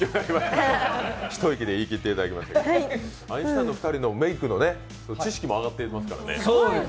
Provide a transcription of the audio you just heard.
一息で言い切っていただきましたけどアインシュタインのメイクの知識も上がっていきますからね。